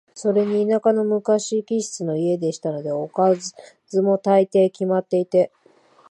それに田舎の昔気質の家でしたので、おかずも、大抵決まっていて、